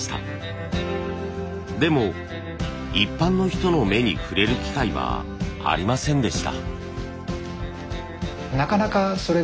でも一般の人の目に触れる機会はありませんでした。